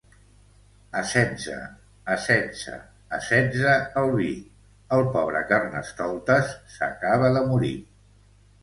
A setze, a setze, a setze el vi, el pobre Carnestoltes s'acaba de morir.